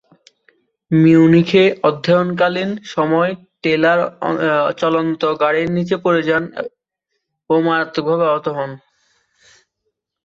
মিউনিখে অধ্যয়নকালীন সময়েই টেলার চলন্ত গাড়ীর নিচে পড়ে যান ও মারাত্মকভাবে আহত হন।